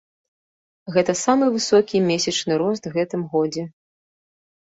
Гэта самы высокі месячны рост гэтым годзе.